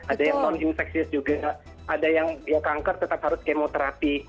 ada yang non infeksius juga ada yang kanker tetap harus kemoterapi